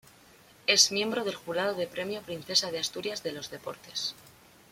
Es miembro del jurado del premio Princesa de Asturias de los Deportes.